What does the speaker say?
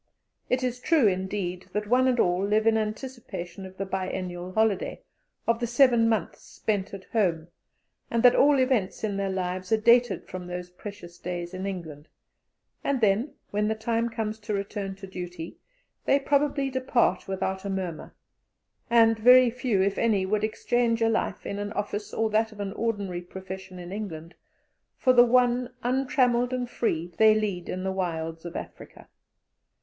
It is true, indeed, that one and all live in anticipation of the biennial holiday, of the seven months spent "at home," and that all events in their lives are dated from those precious days in England; and then, when the time comes to return to duty, they probably depart without a murmur, and very few, if any, would exchange a life in an office, or that of any ordinary profession in England, for the one, untrammelled and free, they lead in the wilds of Africa.